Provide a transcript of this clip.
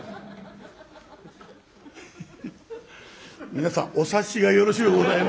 皆さんお察しがよろしゅうございます。